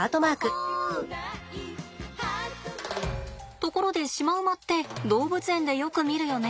ところでシマウマって動物園でよく見るよね。